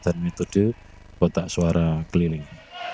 dan metode kotak suara keliling